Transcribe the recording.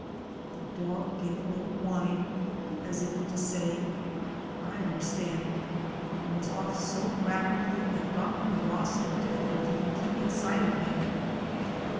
The dog gave a little whine, as if to say, "I understand," and was off so rapidly that Dr. Ross had difficulty in keeping sight of him.